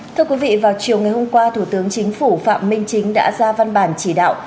thưa quý vị vào chiều ngày hôm qua thủ tướng chính phủ phạm minh chính đã ra văn bản chỉ đạo